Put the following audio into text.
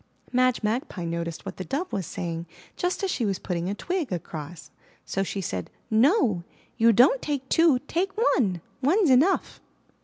Madge Magpie noticed what the Dove was saying just as she was putting a twig across. So she said: *'No, you don't take two. Take one! One's enough!"